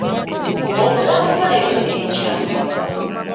Obulamu bwo leero n'enkya.